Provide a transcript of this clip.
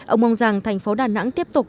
ông mong rằng thành phố đà nẵng tiếp tục